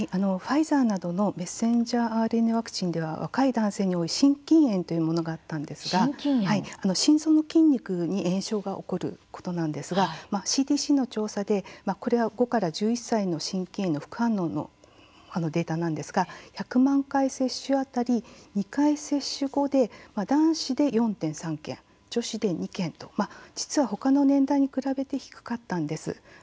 ファイザーなどのｍＲＮＡワクチンでは若い男性に多い心筋炎というものがあったんですが心臓の筋肉に炎症が起こることなんですが、ＣＤＣの調査でこれは、５から１１歳の心筋炎の副反応のデータなんですが１００万回接種当たり２回接種後で男子で４．３件、女子で２件と実はほかの年代に比べて低かったんです。